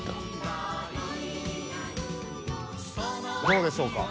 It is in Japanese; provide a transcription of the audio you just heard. どうでしょうか？